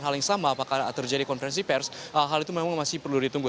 hal yang sama apakah terjadi konferensi pers hal itu memang masih perlu ditunggu